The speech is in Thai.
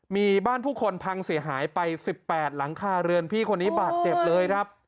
มีบ้านผู้คนพังเสียหายไป๑๘หลังคาเรือนพี่คนนี้บาดเจ็บเลยครับ